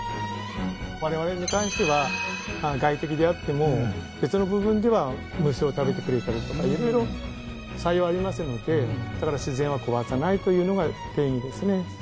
我々に関しては害敵であっても別の部分では虫を食べてくれたりとかいろいろ作用ありますのでだから自然は壊さないというのが定義ですね。